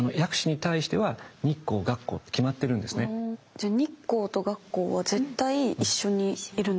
じゃあ日光と月光は絶対一緒にいるんですか？